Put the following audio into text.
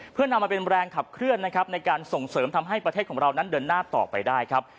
เพื่อนำมาเป็นแรงขับเคลื่อนนะครับในการส่งเสริมทำให้ประเทศของเรานั้นเดินหน้าต่อไปได้ครับ